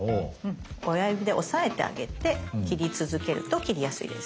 親指で押さえてあげて切り続けると切りやすいです。